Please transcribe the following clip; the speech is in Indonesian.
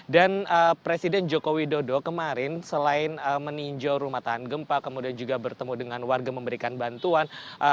dan presiden jokowi dodo kemarin selain meninjau rumah tahan gempa kemudian juga bertemu dengan warga memberikan bantuan